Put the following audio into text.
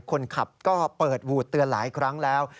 คนขับก็เปิดวูดเตือนหลายครั้งแล้ว